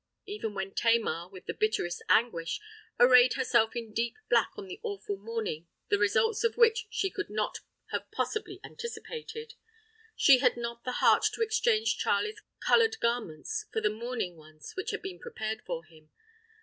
Even when Tamar, with the bitterest anguish, arrayed herself in deep black on the awful morning the results of which she could not have possibly anticipated, she had not the heart to exchange Charley's coloured garments for the mourning ones which had been prepared for him.